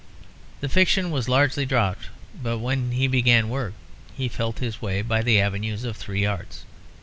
The fiction was largely dropped; but when he began work he felt his way by the avenues of three arts.